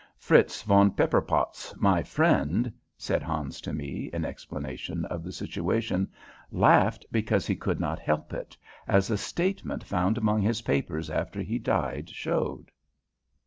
"Fritz von Pepperpotz, my friend," said Hans to me, in explanation of the situation, "laughed because he could not help it, as a statement found among his papers after he died showed.